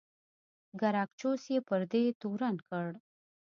ګراکچوس یې پر دې تورن کړ.